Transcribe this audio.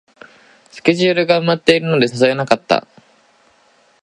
スケジュールが埋まってるので誘えなかった